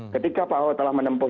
ketika pak ahok telah menempuh